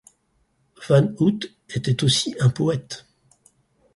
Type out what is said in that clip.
Van Hout était aussi un poète.